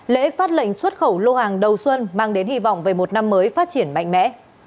lễ phát lệnh xuất khẩu lô hàng đầu xuân mang đến hy vọng về một năm mới phát triển mạnh mẽ